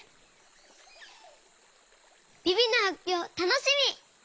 ビビのはっぴょうたのしみ！